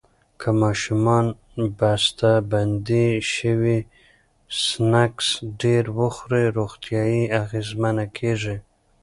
که ماشومان بستهبندي شوي سنکس ډیر وخوري، روغتیا یې اغېزمنه کېږي.